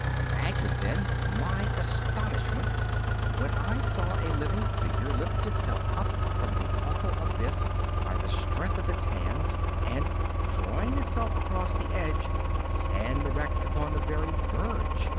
Imagine, then, my astonishment when I saw a living figure lift itself up from the awful abyss by the strength of its hands, and, drawing itself across the edge, stand erect upon the very verge!